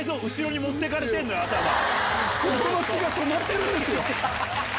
ここの血が止まってるんですよ。